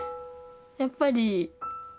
やっぱり。